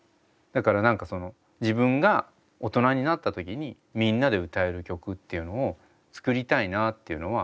だから何か自分が大人になった時にみんなで歌える曲っていうのを作りたいなっていうのは。